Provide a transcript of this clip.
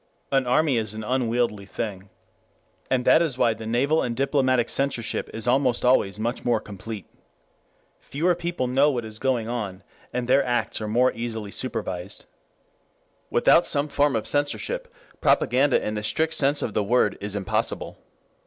] An army is an unwieldy thing. And that is why the naval and diplomatic censorship is almost always much more complete. Fewer people know what is going on, and their acts are more easily supervised. 3 Without some form of censorship, propaganda in the strict sense of the word is impossible.